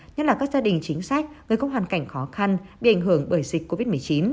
nhất là các gia đình chính sách người có hoàn cảnh khó khăn bị ảnh hưởng bởi dịch covid một mươi chín